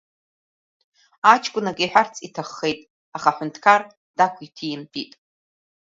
Аҷкәын акы иҳәарц иҭаххеит, аха аҳәынҭқар дақәиҭимтәит аԥс.